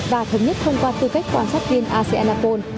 và thống nhất thông qua tư cách quan sát viên asean nato